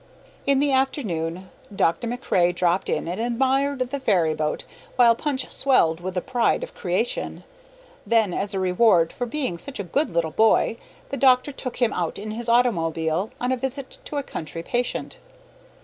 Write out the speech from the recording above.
In the afternoon Dr. MacRae dropped in and admired the ferryboat, while Punch swelled with the pride of creation. Then, as a reward for being such a good little boy, the doctor took him out in his automobile on a visit to a country patient.